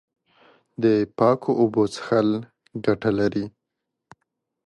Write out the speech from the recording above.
د پاکو اوبو څښل ګټه لري.